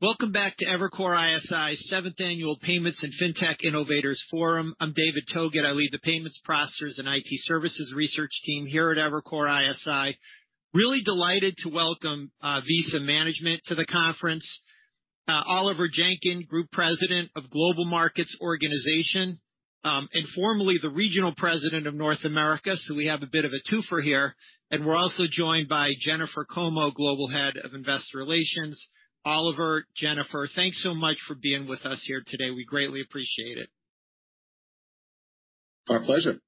Welcome back to Evercore ISI 7th Annual Payments and Fintech Innovators Forum. I'm David Togut. I lead the Payments, Processors & IT Services Research team here at Evercore ISI. Really delighted to welcome Visa management to the conference. Oliver Jenkyn, Group President of Global Markets Organization, and formerly the Regional President of North America. We have a bit of a two-fer here. We're also joined by Jennifer Como, Global Head of Investor Relations. Oliver, Jennifer, thanks so much for being with us here today. We greatly appreciate it. Our pleasure.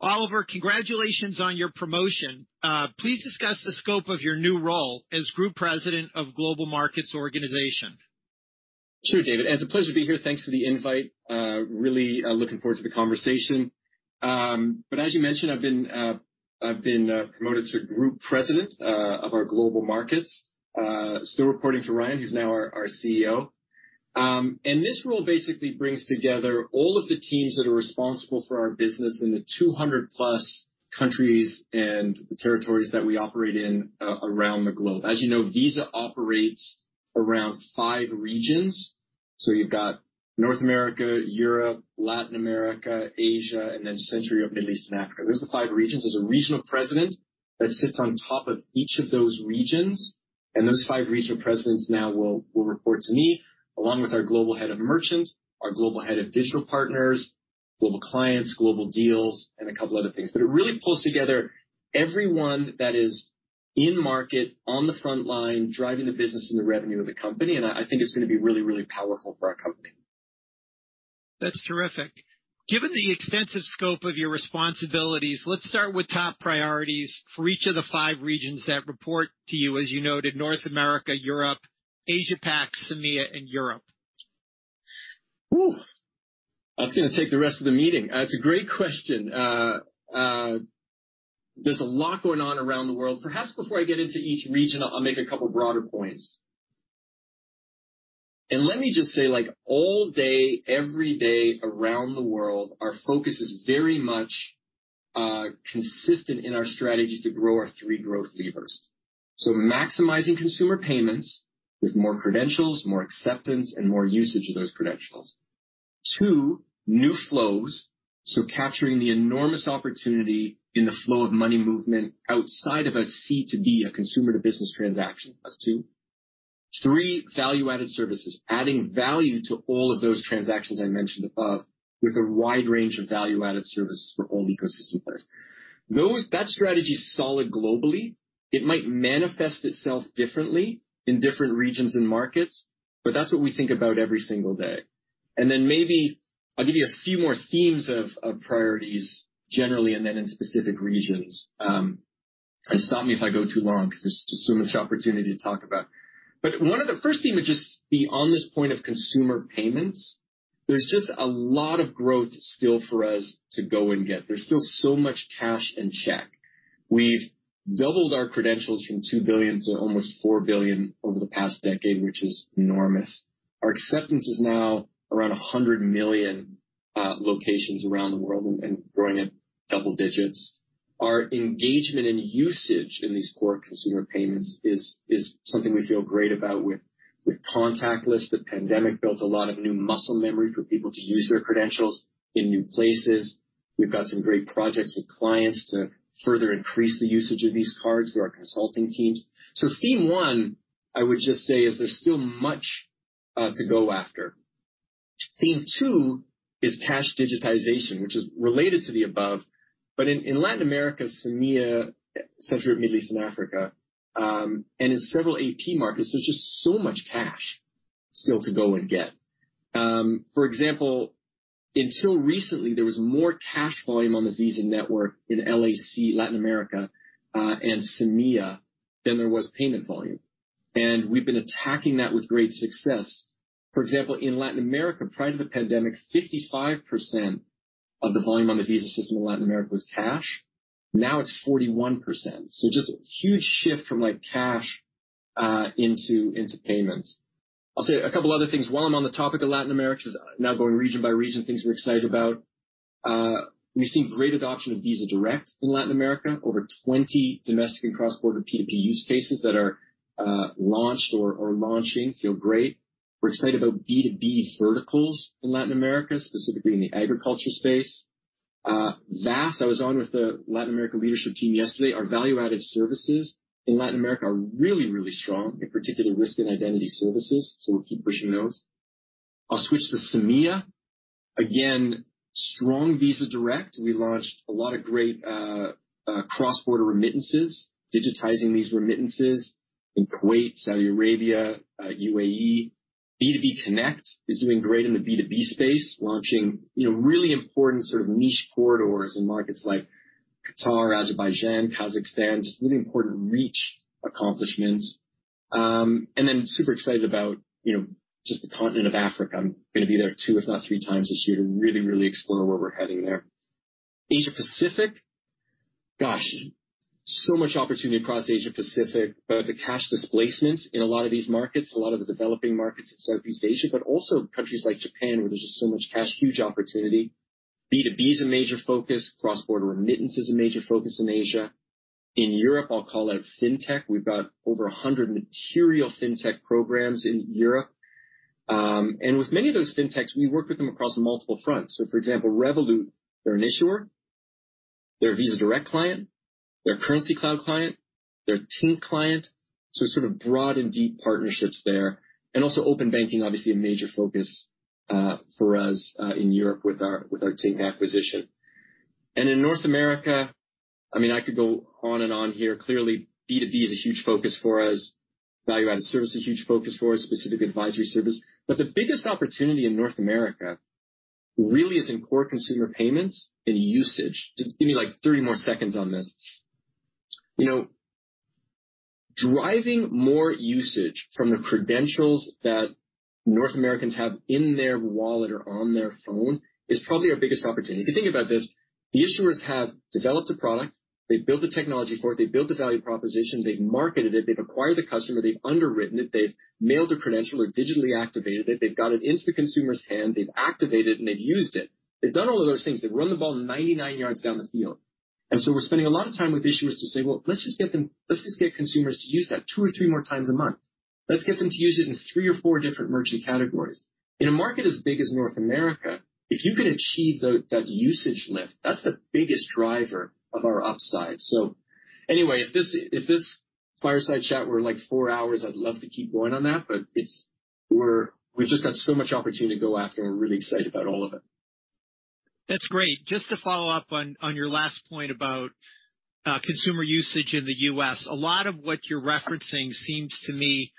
Oliver, congratulations on your promotion. Please discuss the scope of your new role as Group President of Global Markets Organization. Sure, David, it's a pleasure to be here. Thanks for the invite. Really looking forward to the conversation. As you mentioned, I've been promoted to Group President of our Global Markets, still reporting to Ryan, who's now our CEO. This role basically brings together all of the teams that are responsible for our business in the 200+ countries and territories that we operate in around the globe. As you know, Visa operates around five regions. You've got North America, Europe, Latin America, Asia, and then Central Europe, Middle East, and Africa. Those are the five regions. There's a regional president that sits on top of each of those regions. Those five regional presidents now will report to me, along with our Global Head of Merchant, our Global Head of Digital Partners, Global Clients, Global Deals, and a couple other things. It really pulls together everyone that is in market on the front line, driving the business and the revenue of the company. I think it's gonna be really, really powerful for our company. That's terrific. Given the extensive scope of your responsibilities, let's start with top priorities for each of the five regions that report to you. As you noted, North America, Europe, Asia Pac, CEMEA, and Europe. Whoo. That's gonna take the rest of the meeting. It's a great question. There's a lot going on around the world. Perhaps before I get into each region, I'll make a couple broader points. Let me just say, like, all day, every day around the world, our focus is very much consistent in our strategy to grow our three growth levers. Maximizing consumer payments with more credentials, more acceptance, and more usage of those credentials. Two, new flows. Capturing the enormous opportunity in the flow of money movement outside of a C2B, a consumer to business transaction. That's two. Three, Value-Added Services. Adding value to all of those transactions I mentioned above, with a wide range of Value-Added Services for all ecosystem players. Though that strategy is solid globally, it might manifest itself differently in different regions and markets. That's what we think about every single day. Maybe I'll give you a few more themes of priorities generally and then in specific regions. Stop me if I go too long because there's just so much opportunity to talk about. One of the first theme would just be on this point of consumer payments. There's just a lot of growth still for us to go and get. There's still so much cash in check. We've doubled our credentials from $2 billion to almost $4 billion over the past decade, which is enormous. Our acceptance is now around 100 million locations around the world and growing at double digits. Our engagement and usage in these core consumer payments is something we feel great about with contactless. The pandemic built a lot of new muscle memory for people to use their credentials in new places. We've got some great projects with clients to further increase the usage of these cards through our consulting teams. Theme one, I would just say, is there's still much to go after. Theme two is cash digitization, which is related to the above, but in Latin America, CEMEA, Central Middle East and Africa, and in several AP markets, there's just so much cash still to go and get. For example, until recently, there was more cash volume on the Visa network in LAC, Latin America, and CEMEA than there was payment volume. We've been attacking that with great success. For example, in Latin America, prior to the pandemic, 55% of the volume on the Visa system in Latin America was cash. Now it's 41%. Just huge shift from, like, cash into payments. I'll say a couple other things while I'm on the topic of Latin America, because now going region by region, things we're excited about. We've seen great adoption of Visa Direct in Latin America. Over 20 domestic and cross-border P2P use cases that are launched or launching feel great. We're excited about B2B verticals in Latin America, specifically in the agriculture space. VAS, I was on with the Latin America leadership team yesterday. Our Value Added Services in Latin America are really, really strong, in particular risk and identity services. We'll keep pushing those. I'll switch to CEMEA. Again, strong Visa Direct. We launched a lot of great cross-border remittances, digitizing these remittances in Kuwait, Saudi Arabia, UAE. B2B Connect is doing great in the B2B space, launching, you know, really important sort of niche corridors in markets like Qatar, Azerbaijan, Kazakhstan, just really important reach accomplishments. Super excited about, you know, just the continent of Africa. I'm gonna be there two, if not three times this year to really explore where we're heading there. Asia Pacific, gosh, so much opportunity across Asia Pacific. The cash displacement in a lot of these markets, a lot of the developing markets in Southeast Asia, but also countries like Japan, where there's just so much cash, huge opportunity. B2B is a major focus. Cross-border remittance is a major focus in Asia. In Europe, I'll call out fintech. We've got over 100 material fintech programs in Europe. With many of those fintechs, we work with them across multiple fronts. For example, Revolut, they're an issuer, they're a Visa Direct client, they're a Currencycloud client, they're a Tink client. Sort of broad and deep partnerships there and also open banking, obviously a major focus for us in Europe with our Tink acquisition. In North America, I mean, I could go on and on here. Clearly, B2B is a huge focus for us. Value-Added Service, a huge focus for us, specific advisory service. The biggest opportunity in North America really is in core consumer payments and usage. Just give me, like, three more seconds on this. You know, driving more usage from the credentials that North Americans have in their wallet or on their phone is probably our biggest opportunity. If you think about this, the issuers have developed a product, they've built the technology for it, they've built the value proposition, they've marketed it, they've acquired the customer, they've underwritten it, they've mailed the credential or digitally activated it. They've got it into the consumer's hand, they've activated and they've used it. They've done all of those things. They've run the ball 99 yards down the field. We're spending a lot of time with issuers to say, "Well, let's just get consumers to use that two or three more times a month. Let's get them to use it in three or four different merchant categories." In a market as big as North America, if you can achieve that usage lift, that's the biggest driver of our upside. Anyway, if this, if this fireside chat were like four hours, I'd love to keep going on that, but it's—we’ve just got so much opportunity to go after and we're really excited about all of it. That's great. Just to follow up on your last point about consumer usage in the U.S. A lot of what you're referencing seems to me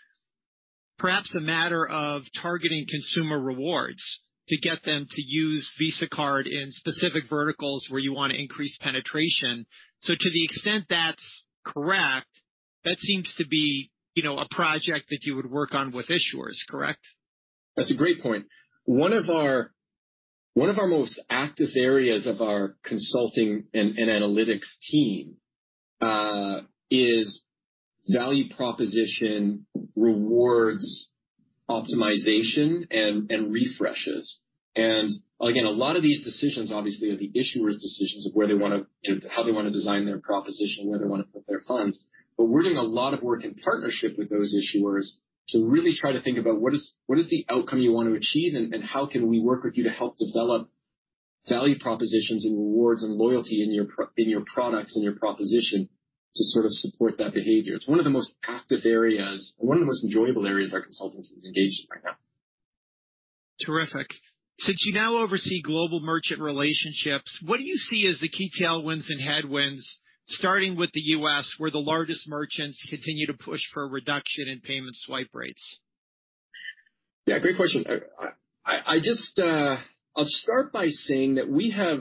perhaps a matter of targeting consumer rewards to get them to use Visa card in specific verticals where you wanna increase penetration. To the extent that's correct, that seems to be, you know, a project that you would work on with issuers, correct? That's a great point. One of our most active areas of our consulting and analytics team is value proposition rewards optimization and refreshes. Again, a lot of these decisions, obviously, are the issuer's decisions of where they wanna, you know, how they wanna design their proposition, where they wanna put their funds. We're doing a lot of work in partnership with those issuers to really try to think about what is the outcome you want to achieve, and how can we work with you to help develop value propositions and rewards and loyalty in your products and your proposition to sort of support that behavior. It's one of the most active areas and one of the most enjoyable areas our consultant team is engaged in right now. Terrific. Since you now oversee global merchant relationships, what do you see as the key tailwinds and headwinds, starting with the U.S., where the largest merchants continue to push for a reduction in payment swipe rates? Yeah, great question. I just I'll start by saying that we have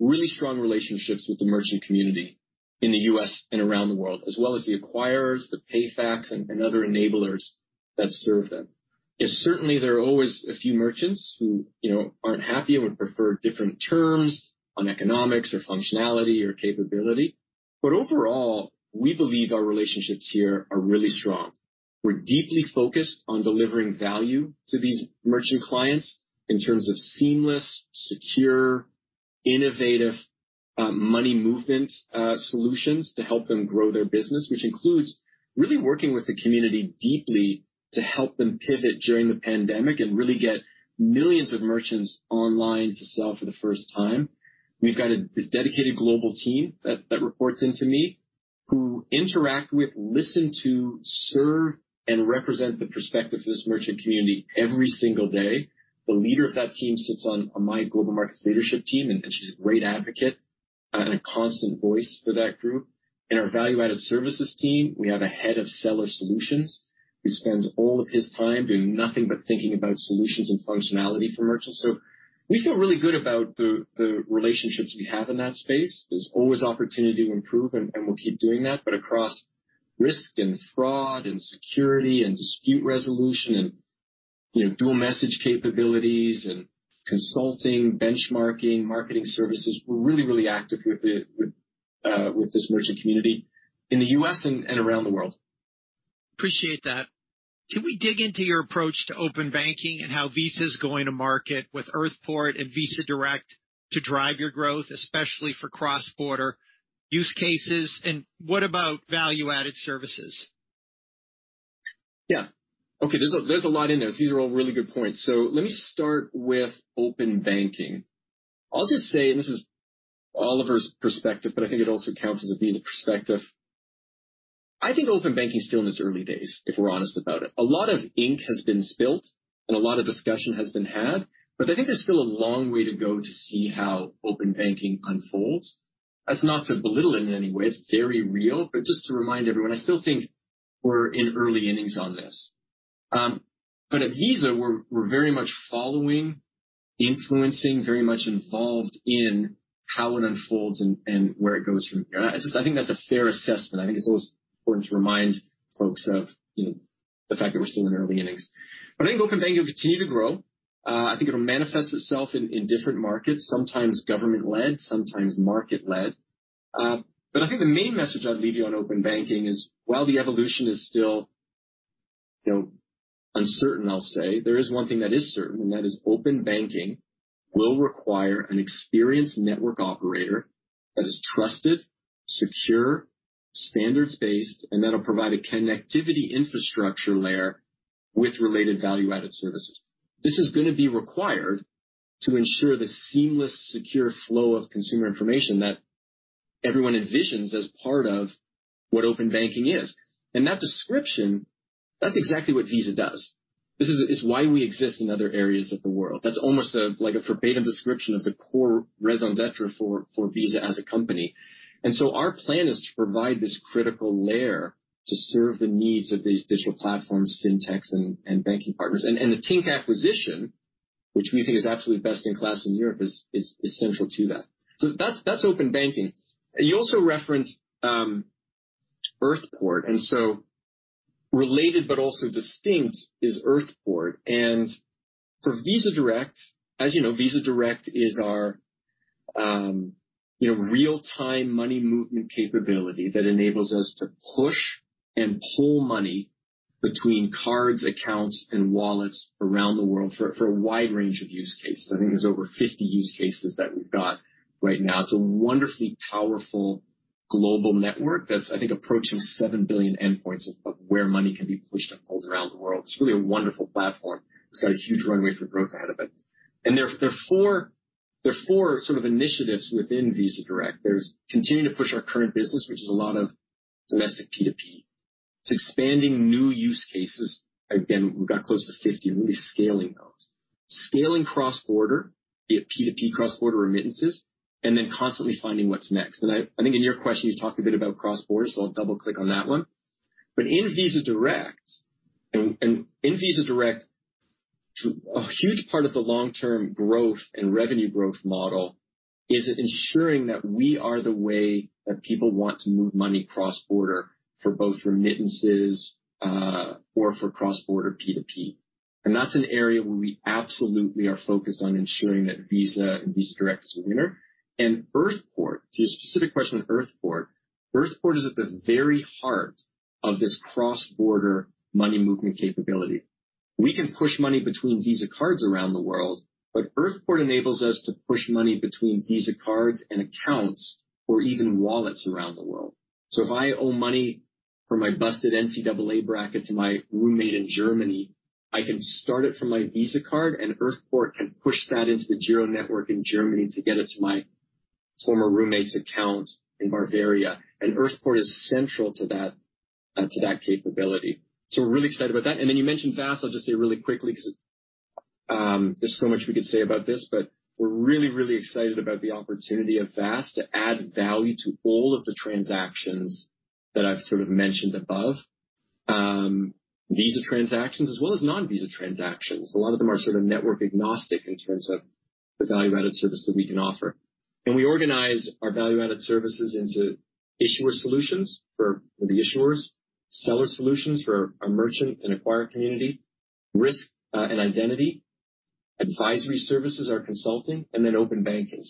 really strong relationships with the merchant community in the U.S. and around the world, as well as the acquirers, the PayFacs, and other enablers that serve them. Yes, certainly there are always a few merchants who, you know, aren't happy and would prefer different terms on economics or functionality or capability. Overall, we believe our relationships here are really strong. We're deeply focused on delivering value to these merchant clients in terms of seamless, secure, innovative money movement solutions to help them grow their business, which includes really working with the community deeply to help them pivot during the pandemic and really get millions of merchants online to sell for the first time. We've got a, this dedicated global team that reports into me, who interact with, listen to, serve, and represent the perspective of this merchant community every single day. The leader of that team sits on my global markets leadership team, and she's a great advocate and a constant voice for that group. In our Value-Added Services team, we have a head of seller solutions who spends all of his time doing nothing but thinking about solutions and functionality for merchants. We feel really good about the relationships we have in that space. There's always opportunity to improve, and we'll keep doing that. Across risk and fraud and security and dispute resolution and, you know, dual message capabilities and consulting, benchmarking, marketing services, we're really active with the merchant community in the U.S. and around the world. Appreciate that. Can we dig into your approach to open banking and how Visa is going to market with Earthport and Visa Direct to drive your growth, especially for cross-border use cases? What about Value-Added Services? Yeah. Okay, there's a lot in this. These are all really good points. Let me start with open banking. I'll just say, and this is Oliver's perspective, but I think it also counts as a Visa perspective. I think open banking is still in its early days, if we're honest about it. A lot of ink has been spilled and a lot of discussion has been had, but I think there's still a long way to go to see how open banking unfolds. That's not to belittle it in any way. It's very real, but just to remind everyone, I still think we're in early innings on this. But at Visa, we're very much following, influencing, very much involved in how it unfolds and where it goes from here. I just think that's a fair assessment. I think it's always important to remind folks of, you know, the fact that we're still in early innings. I think open banking will continue to grow. I think it'll manifest itself in different markets, sometimes government-led, sometimes market-led. I think the main message I'd leave you on open banking is while the evolution is still, you know, uncertain, I'll say. There is one thing that is certain, and that is open banking will require an experienced network operator that is trusted, secure, standards-based, and that'll provide a connectivity infrastructure layer with related value-added services. This is gonna be required to ensure the seamless, secure flow of consumer information that everyone envisions as part of what open banking is. That description, that's exactly what Visa does. This is why we exist in other areas of the world. That's almost a, like, a verbatim description of the core raison d'être for Visa as a company. Our plan is to provide this critical layer to serve the needs of these digital platforms, fintechs and banking partners. The Tink acquisition, which we think is absolutely best in class in Europe, is central to that. That's open banking. You also referenced Earthport, and so related but also distinct is Earthport. For Visa Direct, as you know, Visa Direct is our, real-time money movement capability that enables us to push and pull money between cards, accounts, and wallets around the world for a wide range of use cases. I think there's over 50 use cases that we've got right now. It's a wonderfully powerful global network that's, I think, approaching 7 billion endpoints of where money can be pushed and pulled around the world. It's really a wonderful platform. It's got a huge runway for growth ahead of it. There are four sort of initiatives within Visa Direct. There's continuing to push our current business, which is a lot of domestic P2P. It's expanding new use cases. Again, we've got close to 50, and really scaling those. Scaling cross-border, be it P2P cross-border remittances, and then constantly finding what's next. I think in your question you talked a bit about cross-border, so I'll double-click on that one. In Visa Direct, a huge part of the long-term growth and revenue growth model is ensuring that we are the way that people want to move money cross-border for both remittances, or for cross-border P2P. That's an area where we absolutely are focused on ensuring that Visa and Visa Direct is a winner. Earthport, to your specific question on Earthport is at the very heart of this cross-border money movement capability. We can push money between Visa cards around the world, but Earthport enables us to push money between Visa cards and accounts or even wallets around the world. If I owe money for my busted NCAA bracket to my roommate in Germany, I can start it from my Visa card, Earthport can push that into the girocard network in Germany to get it to my former roommate's account in Bavaria. Earthport is central to that, to that capability. We're really excited about that. You mentioned VAS. I'll just say really quickly 'cause, there's so much we could say about this, but we're really excited about the opportunity of VAS to add value to all of the transactions that I've sort of mentioned above, Visa transactions as well as non-Visa transactions. A lot of them are sort of network agnostic in terms of the value-added service that we can offer. We organize our Value Added Services into issuer solutions for the issuers, seller solutions for our merchant and acquirer community, risk and identity, advisory services, our consulting, and then open banking.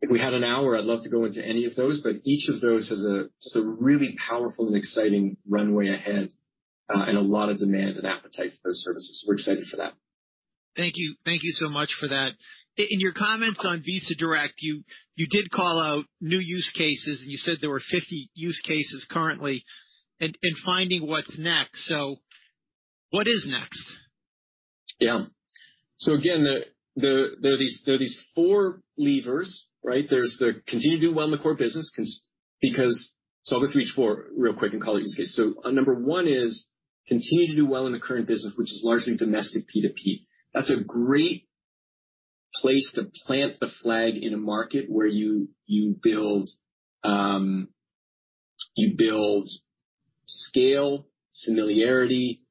If we had an hour, I'd love to go into any of those, but each of those has just a really powerful and exciting runway ahead and a lot of demand and appetite for those services. We're excited for that. Thank you. Thank you so much for that. In your comments on Visa Direct, you did call out new use cases, and you said there were 50 use cases currently and finding what's next. What is next? Yeah. Again, there are these four levers, right? There's the continue to do well in the core business because I'll go through each four real quick and call it use case. Number one is continue to do well in the current business, which is largely domestic P2P. That's a great place to plant the flag in a market where you build scale, familiarity,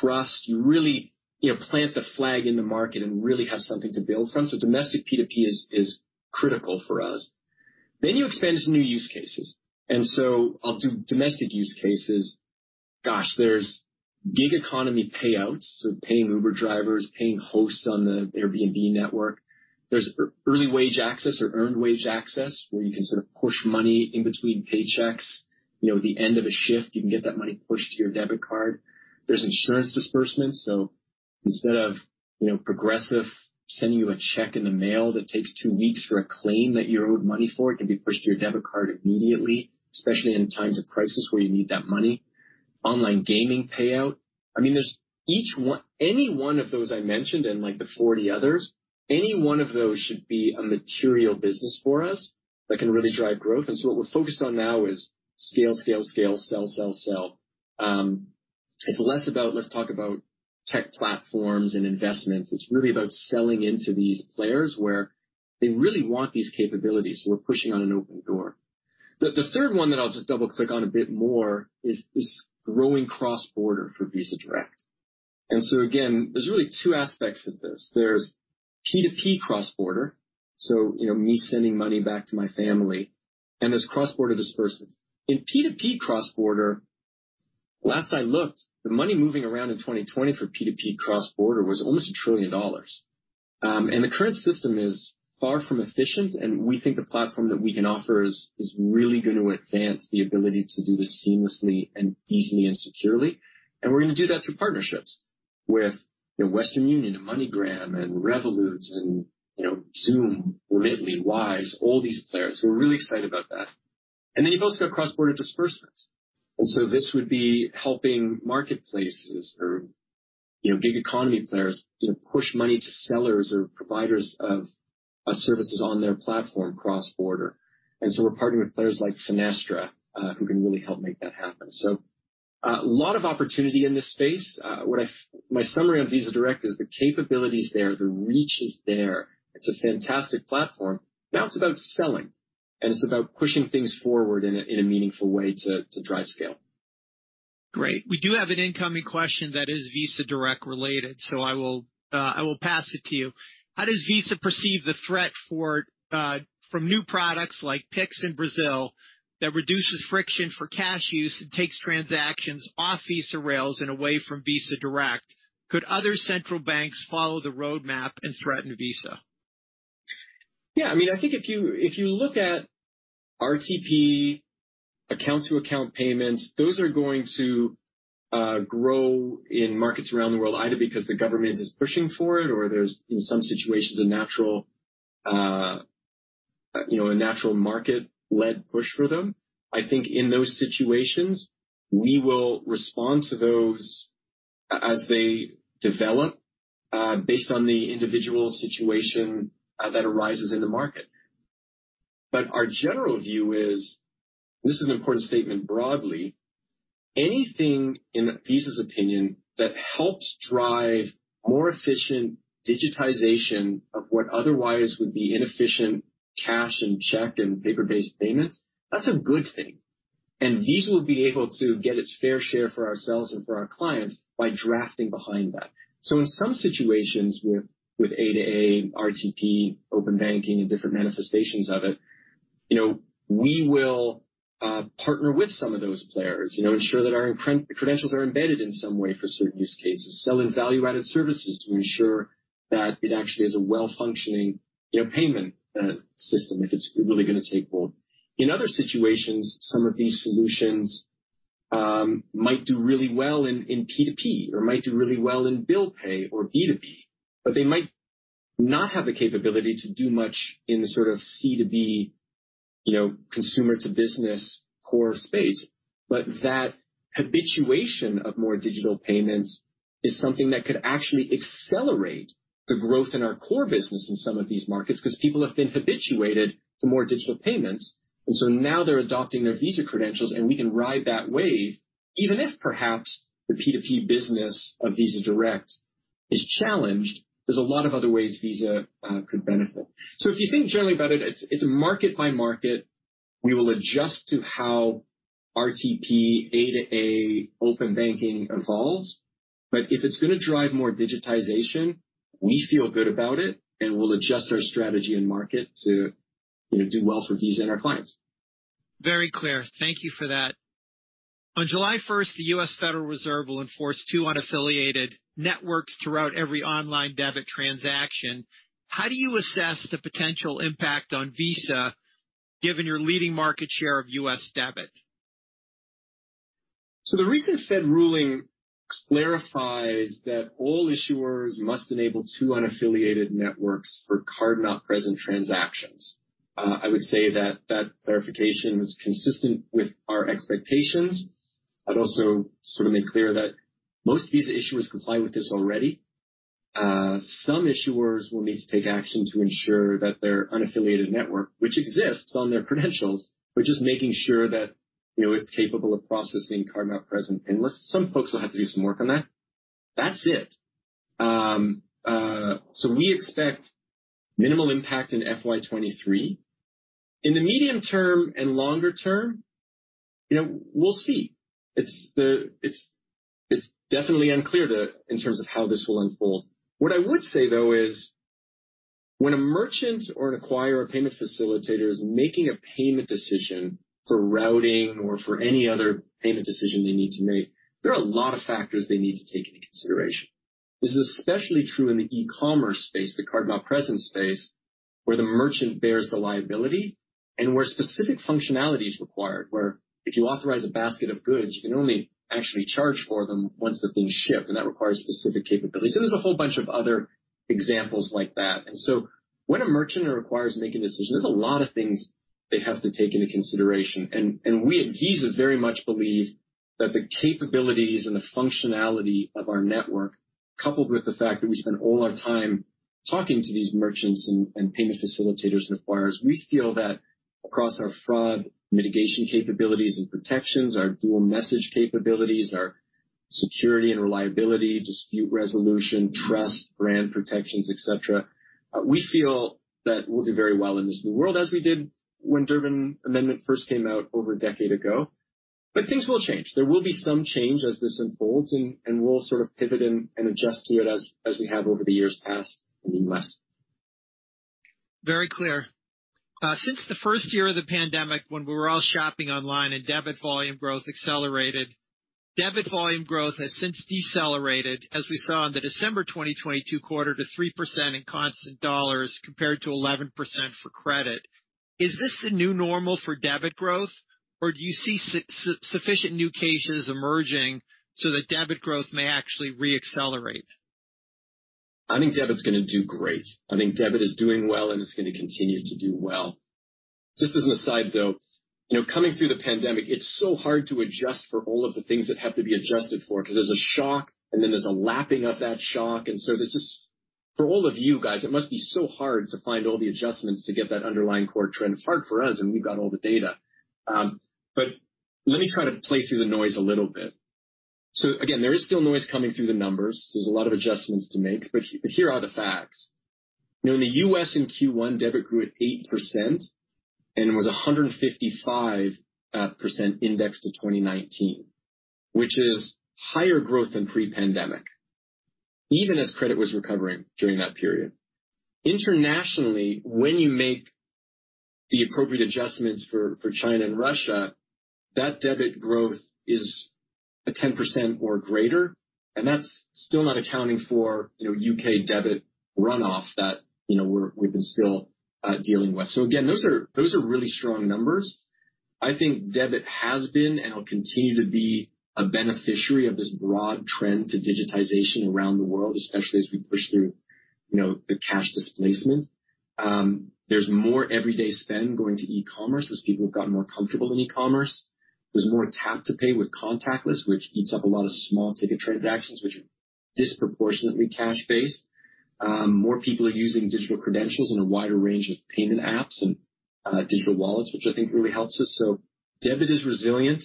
trust. You really, you know, plant the flag in the market and really have something to build from. Domestic P2P is critical for us. You expand into new use cases. I'll do domestic use cases. Gosh, there's gig economy payouts, so paying Uber drivers, paying hosts on the Airbnb network. There's early wage access or earned wage access, where you can sort of push money in between paychecks. You know, at the end of a shift, you can get that money pushed to your debit card. There's insurance disbursement, instead of, you know, Progressive sending you a check in the mail that takes two weeks for a claim that you're owed money for, it can be pushed to your debit card immediately, especially in times of crisis where you need that money. Online gaming payout. I mean, any one of those I mentioned, like, the 40 others, any one of those should be a material business for us that can really drive growth. What we're focused on now is scale, scale, sell, sell. It's less about let's talk about tech platforms and investments. It's really about selling into these players where they really want these capabilities. We're pushing on an open door. The third one that I'll just double-click on a bit more is growing cross-border for Visa Direct. Again, there's really two aspects of this. There's P2P cross-border, so, you know, me sending money back to my family, and there's cross-border disbursements. In P2P cross-border, last I looked, the money moving around in 2020 for P2P cross-border was almost $1 trillion. The current system is far from efficient, and we think the platform that we can offer is really gonna advance the ability to do this seamlessly and easily and securely. We're gonna do that through partnerships with, you know, Western Union and MoneyGram and Revolut and, you know, Xoom, Remitly, Wise, all these players. So we're really excited about that. Then you've also got cross-border disbursements. This would be helping marketplaces or, you know, big economy players, you know, push money to sellers or providers of services on their platform cross-border. We're partnering with players like Finastra, who can really help make that happen. Lot of opportunity in this space. My summary on Visa Direct is the capability is there, the reach is there. It's a fantastic platform. Now it's about selling, and it's about pushing things forward in a meaningful way to drive scale. Great. We do have an incoming question that is Visa Direct related, so I will pass it to you. How does Visa perceive the threat for from new products like Pix in Brazil that reduces friction for cash use and takes transactions off Visa rails and away from Visa Direct? Could other central banks follow the roadmap and threaten Visa? Yeah. I mean, I think if you, if you look at RTP account-to-account payments, those are going to grow in markets around the world, either because the government is pushing for it or there's, in some situations, a natural, you know, a natural market-led push for them. I think in those situations, we will respond to those as they develop, based on the individual situation that arises in the market. Our general view is, this is an important statement broadly, anything, in Visa's opinion, that helps drive more efficient digitization of what otherwise would be inefficient cash and check and paper-based payments, that's a good thing. Visa will be able to get its fair share for ourselves and for our clients by drafting behind that. In some situations with A2A, RTP, open banking and different manifestations of it, you know, we will partner with some of those players, you know, ensure that our credentials are embedded in some way for certain use cases, selling Value-Added Services to ensure that it actually is a well-functioning, you know, payment system if it's really gonna take hold. In other situations, some of these solutions might do really well in P2P or might do really well in bill pay or B2B, but they might not have the capability to do much in the sort of C2B, you know, consumer-to-business core space. That habituation of more digital payments is something that could actually accelerate the growth in our core business in some of these markets 'cause people have been habituated to more digital payments, and so now they're adopting their Visa credentials, and we can ride that wave. Even if perhaps the P2P business of Visa Direct is challenged, there's a lot of other ways Visa could benefit. If you think generally about it's, it's market by market. We will adjust to how RTP, A2A, open banking evolves, but if it's gonna drive more digitization, we feel good about it, and we'll adjust our strategy and market to, you know, do well for Visa and our clients. Very clear. Thank you for that. On July first, the U.S. Federal Reserve will enforce two unaffiliated networks throughout every online debit transaction. How do you assess the potential impact on Visa given your leading market share of U.S. debit? The recent Fed ruling clarifies that all issuers must enable two unaffiliated networks for card-not-present transactions. I would say that that clarification was consistent with our expectations. I'd also sort of made clear that most Visa issuers comply with this already. Some issuers will need to take action to ensure that their unaffiliated network, which exists on their credentials, we're just making sure that, you know, it's capable of processing card-not-present. Some folks will have to do some work on that. That's it. We expect minimal impact in FY 2023. In the medium term and longer term, you know, we'll see. It's definitely unclear, in terms of how this will unfold. What I would say, though, is when a merchant or an acquirer or payment facilitator is making a payment decision for routing or for any other payment decision they need to make, there are a lot of factors they need to take into consideration. This is especially true in the e-commerce space, the card-not-present space, where the merchant bears the liability and where specific functionality is required, where if you authorize a basket of goods, you can only actually charge for them once they've been shipped, and that requires specific capabilities. There's a whole bunch of other examples like that. When a merchant or acquirer is making a decision, there's a lot of things they have to take into consideration. We at Visa very much believe that the capabilities and the functionality of our network, coupled with the fact that we spend all our time talking to these merchants and payment facilitators and acquirers, we feel that across our fraud mitigation capabilities and protections, our dual message capabilities, our security and reliability, dispute resolution, trust, brand protections, et cetera, we feel that we'll do very well in this new world, as we did when Durbin Amendment first came out over a decade ago. Things will change. There will be some change as this unfolds and we'll sort of pivot and adjust to it as we have over the years past and in the months to come. Very clear. Since the first year of the pandemic, when we were all shopping online and debit volume growth accelerated, debit volume growth has since decelerated, as we saw in the December 2022 quarter to 3% in constant dollars compared to 11% for credit. Is this the new normal for debit growth, or do you see sufficient new cases emerging so that debit growth may actually re-accelerate? I think debit's gonna do great. I think debit is doing well, and it's gonna continue to do well. Just as an aside, though, you know, coming through the pandemic, it's so hard to adjust for all of the things that have to be adjusted for because there's a shock, and then there's a lapping of that shock. For all of you guys, it must be so hard to find all the adjustments to get that underlying core trend. It's hard for us, and we've got all the data. Let me try to play through the noise a little bit. Again, there is still noise coming through the numbers. There's a lot of adjustments to make, but here are the facts. You know, in the U.S. in Q1, debit grew at 8% and was 155% index to 2019, which is higher growth than pre-pandemic, even as credit was recovering during that period. Internationally, when you make the appropriate adjustments for China and Russia, that debit growth is 10% or greater, and that's still not accounting for, you know, U.K. debit runoff that, you know, we've been still dealing with. Again, those are really strong numbers. I think debit has been and will continue to be a beneficiary of this broad trend to digitization around the world, especially as we push through, you know, the cash displacement. There's more everyday spend going to e-commerce as people have gotten more comfortable in e-commerce. There's more tap-to-pay with contactless, which eats up a lot of small ticket transactions, which are disproportionately cash-based. More people are using digital credentials in a wider range of payment apps and digital wallets, which I think really helps us. Debit is resilient.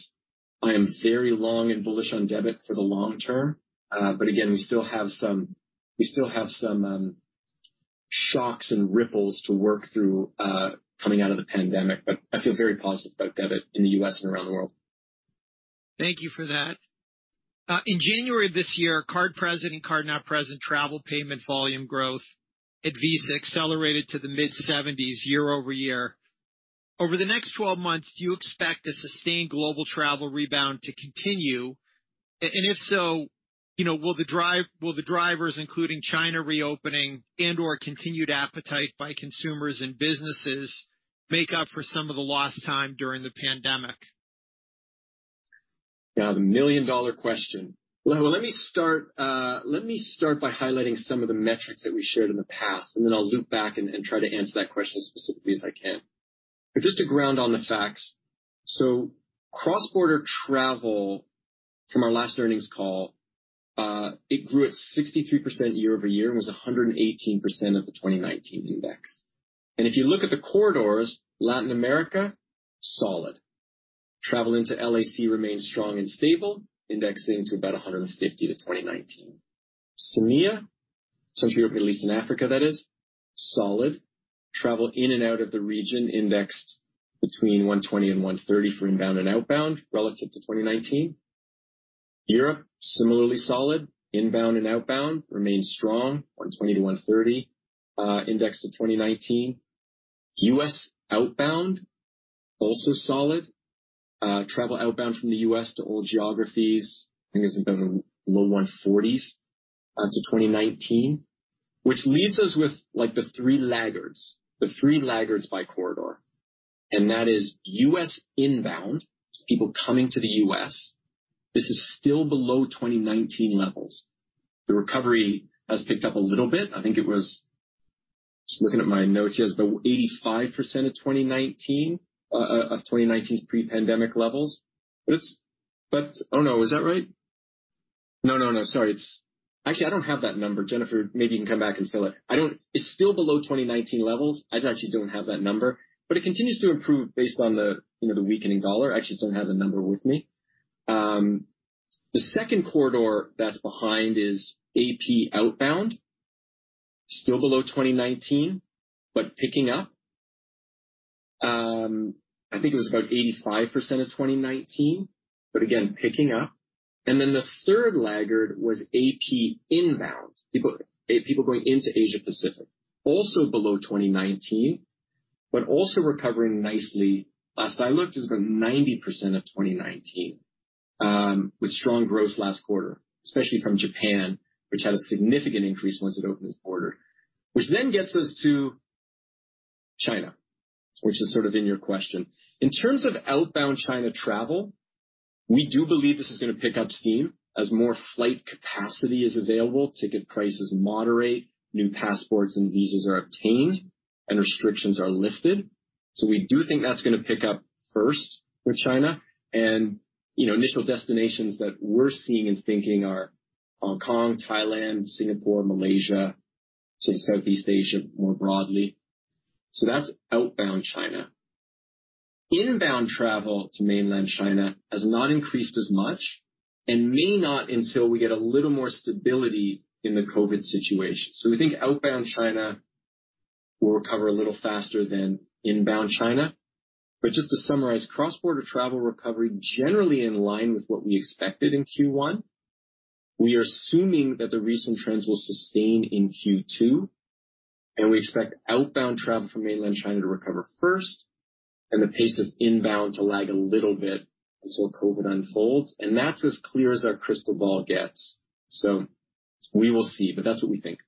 I am very long and bullish on debit for the long term. But again, we still have some shocks and ripples to work through, coming out of the pandemic, but I feel very positive about debit in the U.S. and around the world. Thank you for that. In January of this year, card present and card-not-present travel payment volume growth at Visa accelerated to the mid-70s year-over-year. Over the next 12 months, do you expect a sustained global travel rebound to continue? If so, you know, will the drivers, including China reopening and/or continued appetite by consumers and businesses, make up for some of the lost time during the pandemic? Yeah. The million-dollar question. Let me start by highlighting some of the metrics that we shared in the past, and then I'll loop back and try to answer that question as specifically as I can. Just to ground on the facts. Cross-border travel from our last earnings call, it grew at 63% year-over-year and was 118% of the 2019 index. If you look at the corridors, Latin America, solid. Travel into LAC remains strong and stable, indexing to about 150 to 2019. CEMEA, Central Europe, Middle East and Africa that is, solid. Travel in and out of the region indexed between 120 and 130 for inbound and outbound relative to 2019. Europe, similarly solid. Inbound and outbound remains strong, 120–130, index to 2019. U.S. outbound, also solid. Travel outbound from the U.S. to all geographies, I think it's about the low 140s, to 2019. Leaves us with, like, the three laggards by corridor. That is U.S. inbound, people coming to the U.S. This is still below 2019 levels. The recovery has picked up a little bit. I think it was. Just looking at my notes here. It's about 85% of 2019, of 2019's pre-pandemic levels. It's. Oh, no. Is that right? No, no. Sorry. It's. Actually, I don't have that number. Jennifer, maybe you can come back and fill it. I don't. It's still below 2019 levels. I actually don't have that number. It continues to improve based on the, you know, the weakening dollar. I actually don't have the number with me. The second corridor that's behind is AP outbound, still below 2019, but picking up. I think it was about 85% of 2019, but again, picking up. The third laggard was AP inbound, people going into Asia-Pacific. Also below 2019, but also recovering nicely. Last I looked, it was about 90% of 2019, with strong growth last quarter, especially from Japan, which had a significant increase once it opened its border, which then gets us to China, which is sort of in your question. In terms of outbound China travel, we do believe this is gonna pick up steam as more flight capacity is available, ticket prices moderate, new passports and visas are obtained, and restrictions are lifted. We do think that's gonna pick up first for China. You know, initial destinations that we're seeing and thinking are Hong Kong, Thailand, Singapore, Malaysia, so Southeast Asia more broadly. That's outbound China. Inbound travel to mainland China has not increased as much and may not until we get a little more stability in the COVID situation. We think outbound China will recover a little faster than inbound China. Just to summarize, cross-border travel recovery generally in line with what we expected in Q1. We are assuming that the recent trends will sustain in Q2, and we expect outbound travel from mainland China to recover first and the pace of inbound to lag a little bit as well COVID unfolds. That's as clear as our crystal ball gets. We will see. That's what we think.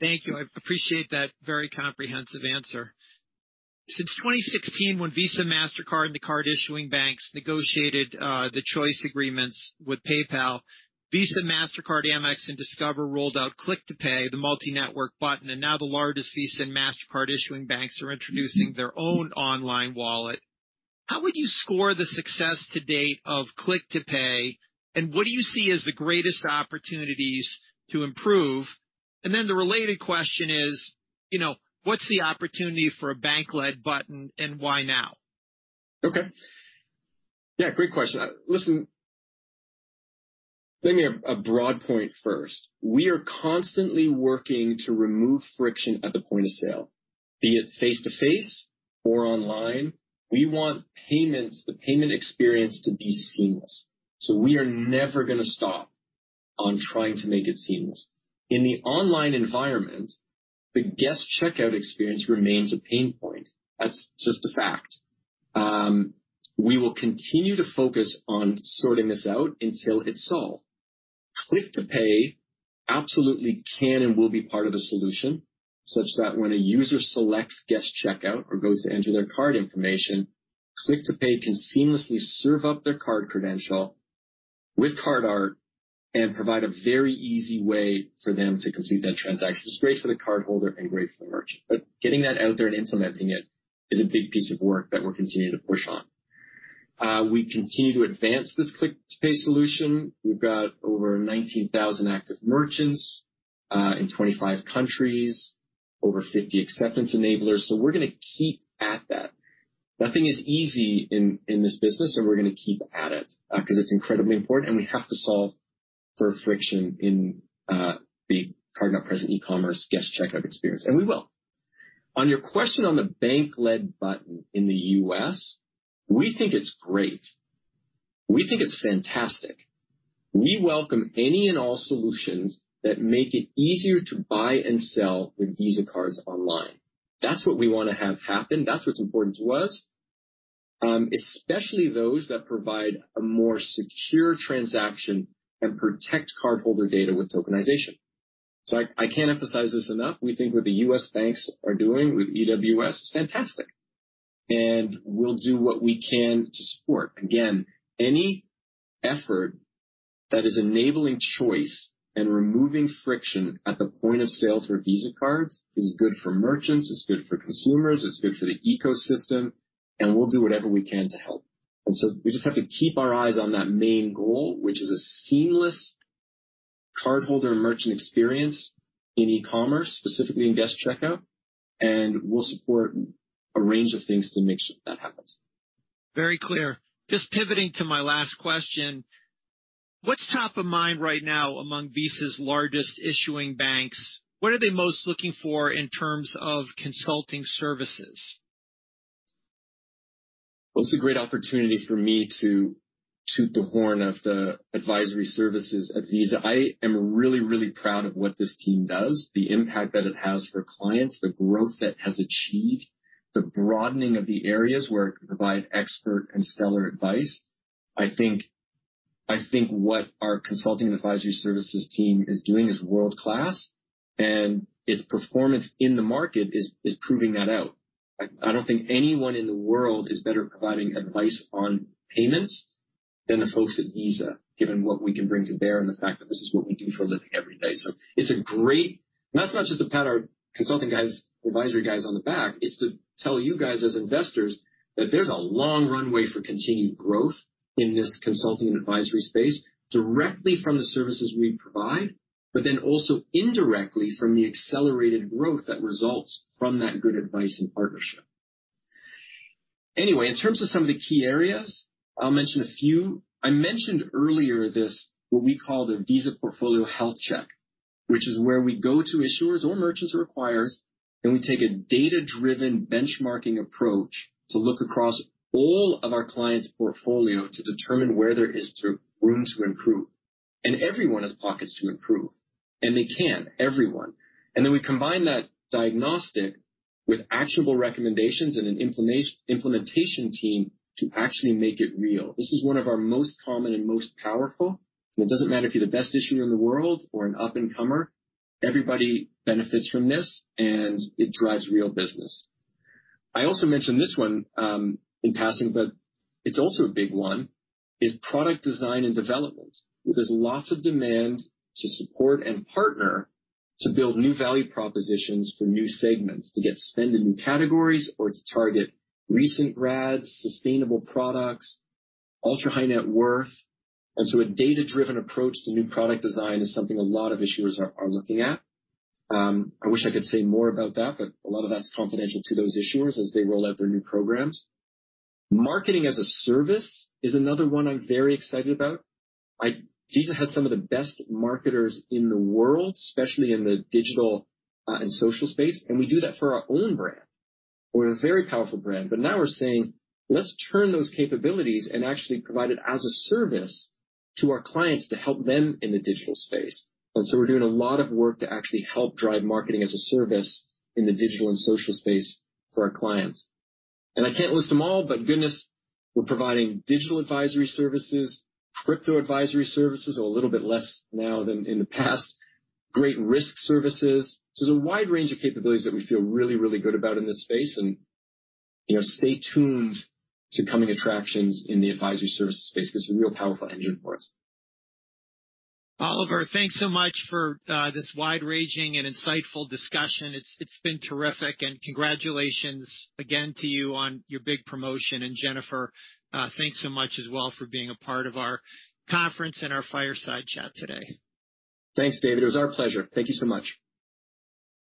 Thank you. I appreciate that very comprehensive answer. Since 2016, when Visa, Mastercard, and the card issuing banks negotiated the choice agreements with PayPal, Visa, Mastercard, Amex, and Discover rolled out Click to Pay, the multi-network button, and now the largest Visa and Mastercard issuing banks are introducing their own online wallet. How would you score the success to date of Click to Pay, and what do you see as the greatest opportunities to improve? The related question is, you know, what's the opportunity for a bank-led button and why now? Okay. Yeah, great question. Listen, let me give a broad point first. We are constantly working to remove friction at the point of sale, be it face-to-face or online. We want payments, the payment experience to be seamless. We are never gonna stop on trying to make it seamless. In the online environment, the guest checkout experience remains a pain point. That's just a fact. We will continue to focus on sorting this out until it's solved. Click to Pay absolutely can and will be part of the solution, such that when a user selects guest checkout or goes to enter their card information, Click to Pay can seamlessly serve up their card credential with Card Art and provide a very easy way for them to complete that transaction. It's great for the cardholder and great for the merchant. Getting that out there and implementing it is a big piece of work that we're continuing to push on. We continue to advance this Click to Pay solution. We've got over 19,000 active merchants in 25 countries, over 50 acceptance enablers. We're gonna keep at that. Nothing is easy in this business, and we're gonna keep at it 'cause it's incredibly important, and we have to solve for friction in the card-not-present e-commerce guest checkout experience, and we will. On your question on the bank-led button in the U.S., we think it's great. We think it's fantastic. We welcome any and all solutions that make it easier to buy and sell with Visa cards online. That's what we wanna have happen. That's what's important to us, especially those that provide a more secure transaction and protect cardholder data with tokenization. I can't emphasize this enough. We think what the U.S. banks are doing with EWS is fantastic, and we'll do what we can to support. Again, any effort that is enabling choice and removing friction at the point of sale for Visa cards is good for merchants, it's good for consumers, it's good for the ecosystem, and we'll do whatever we can to help. We just have to keep our eyes on that main goal, which is a seamless cardholder merchant experience in e-commerce, specifically in guest checkout, and we'll support a range of things to make sure that happens. Very clear. Just pivoting to my last question. What's top of mind right now among Visa's largest issuing banks? What are they most looking for in terms of consulting services? It's a great opportunity for me to toot the horn of the advisory services at Visa. I am really, really proud of what this team does, the impact that it has for clients, the growth that it has achieved, the broadening of the areas where it can provide expert and stellar advice. I think what our consulting and advisory services team is doing is world-class, and its performance in the market is proving that out. I don't think anyone in the world is better providing advice on payments than the folks at Visa, given what we can bring to bear and the fact that this is what we do for a living every day. It's a great. That's not just to pat our consulting guys, advisory guys on the back. It's to tell you guys as investors that there's a long runway for continued growth in this consulting and advisory space directly from the services we provide, also indirectly from the accelerated growth that results from that good advice and partnership. In terms of some of the key areas, I'll mention a few. I mentioned earlier this, what we call the Visa Portfolio Health Check, which is where we go to issuers or merchants or acquirers, and we take a data-driven benchmarking approach to look across all of our clients' portfolio to determine where there is room to improve. Everyone has pockets to improve, and they can, everyone. Then we combine that diagnostic with actionable recommendations and an in-flight implementation team to actually make it real. This is one of our most common and most powerful. It doesn't matter if you're the best issuer in the world or an up-and-comer, everybody benefits from this, and it drives real business. I also mentioned this one, in passing, but it's also a big one, is product design and development. There's lots of demand to support and partner to build new value propositions for new segments to get spend in new categories or to target recent grads, sustainable products, ultra-high net worth. A data-driven approach to new product design is something a lot of issuers are looking at. I wish I could say more about that, but a lot of that's confidential to those issuers as they roll out their new programs. Marketing-as-a-service is another one I'm very excited about. Visa has some of the best marketers in the world, especially in the digital and social space, and we do that for our own brand. We're a very powerful brand, but now we're saying, "Let's turn those capabilities and actually provide it as a service to our clients to help them in the digital space." We're doing a lot of work to actually help drive marketing-as-a-service in the digital and social space for our clients. I can't list them all, but goodness, we're providing digital advisory services, crypto advisory services, or a little bit less now than in the past, great risk services. There's a wide range of capabilities that we feel really, really good about in this space and, you know, stay tuned to coming attractions in the advisory services space 'cause it's a real powerful engine for us. Oliver, thanks so much for this wide-ranging and insightful discussion. It's been terrific, and congratulations again to you on your big promotion. Jennifer, thanks so much as well for being a part of our conference and our fireside chat today. Thanks, David. It was our pleasure. Thank you so much.